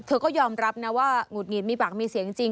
ก็ยอมรับนะว่าหงุดหงิดมีปากมีเสียงจริง